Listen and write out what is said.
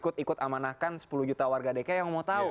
ikut ikut amanahkan sepuluh juta warga dki yang mau tahu